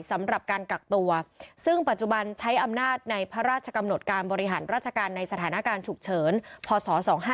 สำหรับการกักตัวซึ่งปัจจุบันใช้อำนาจในพระราชกำหนดการบริหารราชการในสถานการณ์ฉุกเฉินพศ๒๕๖